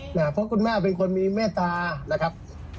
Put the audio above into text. เพราะคุณแม่เป็นคนมีเมตตานะครับ